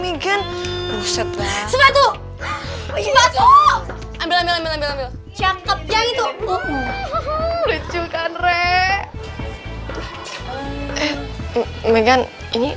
megane ini siapa siapanya yang cocoknya nih yes